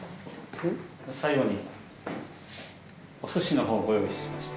最後に、おすしのほう、ご用意しました。